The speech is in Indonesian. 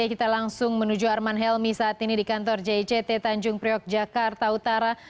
kita langsung menuju arman helmi saat ini di kantor jict tanjung priok jakarta utara